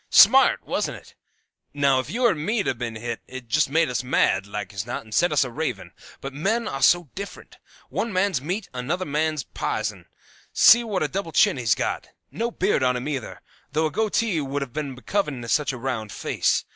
Smart, wasn't it? Now, if you or me'd 'a' ben hit, it'd just made us mad, like as not, and set us a ravin'. But men are so different. One man's meat's another man's pison. See what a double chin he's got. No beard on him, either, though a goatee would have been becoming to such a round face.